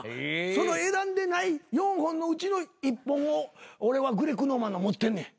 その選んでない４本のうちの１本を俺はグレッグ・ノーマンの持ってんねん。